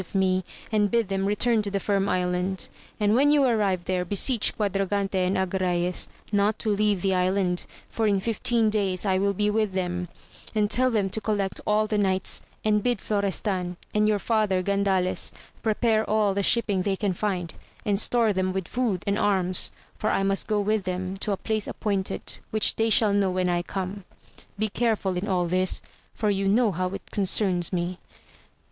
25 of me, and bid them return to the Finn Island, and when you arrive there beseech Quadragante and Agrayes not to leave the island, for, in fifteen days I will be with them : and tell them to collect all the knights, and bid Florestan, and your father Gandales, prepare all the shipping they can find, and store them with food, and arms, for I must go with them to a place appointed, which they shall know when I come. Be careful in all this, for you know how it concerns me.